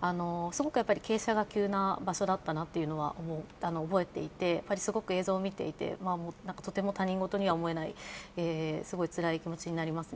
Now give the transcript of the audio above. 傾斜が急な場所だったなというのを覚えていて、映像を見て、とても他人事には思えないつらい気持ちになります。